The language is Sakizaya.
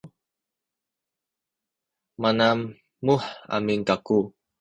manamuh amin kaku